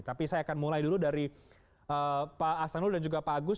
tapi saya akan mulai dulu dari pak asanul dan juga pak agus